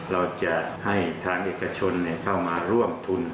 เราจะให้ทางเอกชนเข้ามาร่วมทุน